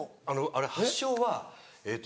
あれ発祥はえっと